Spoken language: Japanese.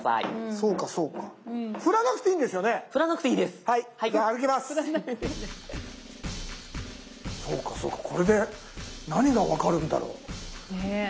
そうかそうかこれで何が分かるんだろう？ねえ。